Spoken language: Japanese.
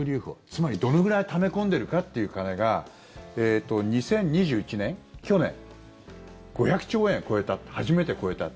つまり、どのぐらいため込んでるかという金が２０２１年、去年５００兆円を初めて超えた。